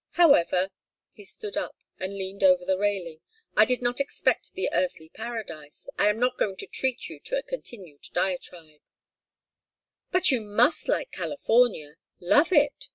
However " He stood up and leaned over the railing. "I did not expect the earthly paradise. I am not going to treat you to a continued diatribe " "But you must like California love it!"